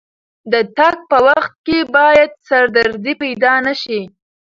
د تګ په وخت کې باید سردردي پیدا نه شي.